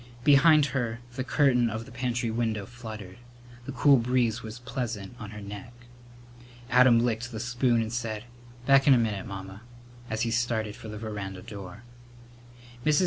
Behind her the curtain of the pantry window fluttered. The cool breeze was pleasant on her neck. Adam licked the spoon and said, "Back in a minute, Mamma," as he started for the veranda door. Mrs.